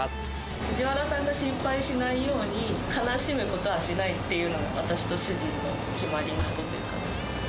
ふじわらさんが心配しないように、悲しむことはしないっていうのが、私と主人の決まり事というか。